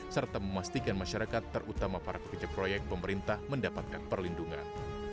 serta memastikan masyarakat terutama para pekerja proyek pemerintah mendapatkan perlindungan